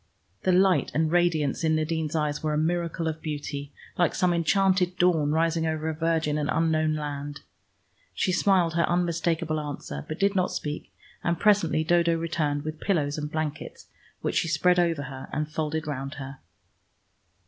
The light and radiance in Nadine's eyes were a miracle of beauty, like some enchanted dawn rising over a virgin and unknown land. She smiled her unmistakable answer, but did not speak, and presently Dodo returned with pillows and blankets, which she spread over her and folded round her.